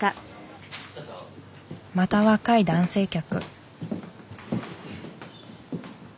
また若い男性客。